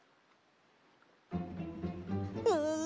うん。